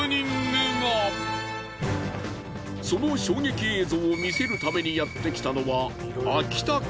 その衝撃映像を見せるためにやってきたのは秋田県。